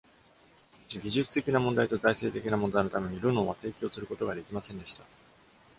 しかし、技術的な問題と財政的な問題のために、ルノーは提供することができませんでした。